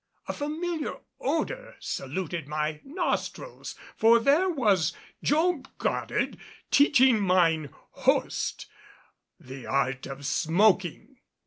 A familiar odor saluted my nostrils, for there was Job Goddard teaching mine host the art of smoking.